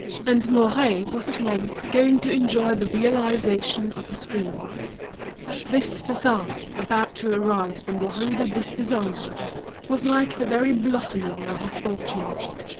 And Mouret was at length going to enjoy the realization of his dreams; this façade, about to arise in the Rue du Dix Décembre, was like the very blossoming of his fortune.